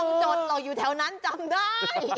ไม่ต้องจดเราอยู่แถวนั้นจำได้